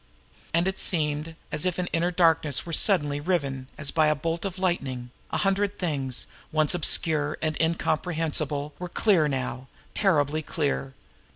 And it seemed as if an inner darkness were suddenly riven as by a bolt of lightning a hundred things, once obscure and incomprehensible, were clear now, terribly clear.